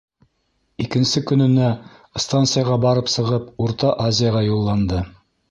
Икенсе көнөнә станцияға барып сығып, Урта Азияға юлланды.